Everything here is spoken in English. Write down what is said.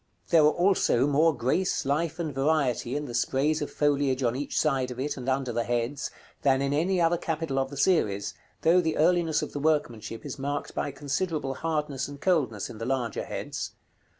There are also more grace, life, and variety in the sprays of foliage on each side of it, and under the heads, than in any other capital of the series, though the earliness of the workmanship is marked by considerable hardness and coldness in the larger heads.